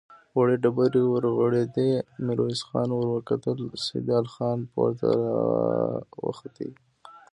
وړې ډبرې ورغړېدې، ميرويس خان ور وکتل، سيدال خان پورته را خوت.